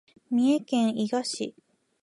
三重県伊賀市